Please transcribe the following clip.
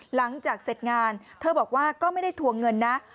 หลังจากเสร็จงานเธอบอกว่าก็ไม่ได้ทวงเงินนะ